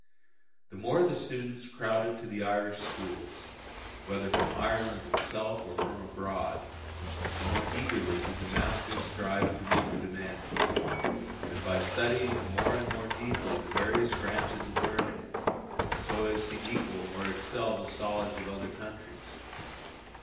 The more the students crowded to the Irish schools, whether from Ireland itself or from abroad, the more eagerly did the masters strive to meet the demand, by studying more and more deeply the various branches of learning, so as to equal or excel the scholars of other countries.